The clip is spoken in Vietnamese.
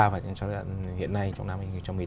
và giai đoạn hiện nay trong năm hai nghìn một mươi chín